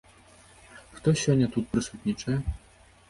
Хто сёння тут прысутнічае?